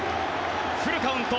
フルカウント。